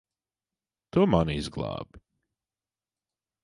Tu mani izglābi.